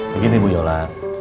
begini bu yola